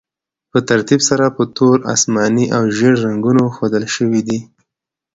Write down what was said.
په ترتیب سره په تور، اسماني او ژیړ رنګونو ښودل شوي دي.